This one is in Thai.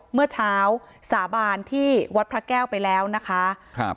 เมื่อเช้าสาบานที่วัดพระแก้วไปแล้วนะคะครับ